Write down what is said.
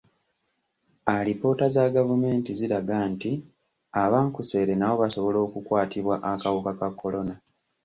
Alipoota za gavumenti ziraga nti abankuseere nabo basobola okukwatibwa akawuka ka kolona.